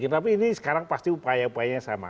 tapi ini sekarang pasti upaya upayanya sama